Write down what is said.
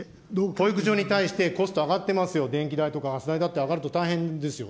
保育所に対してコスト上がってますよ、電気代とかガス代だって上がると大変ですよ。